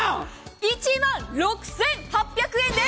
１万６８００円です！